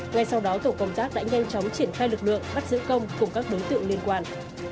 ngay sau đó tổ công tác đã nhanh chóng triển khai lực lượng bắt giữ công cùng các đối tượng liên quan